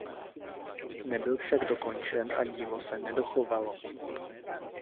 Nebyl však dokončen a dílo se nedochovalo.